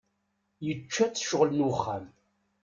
Yečča-tt ccɣel n wexxam.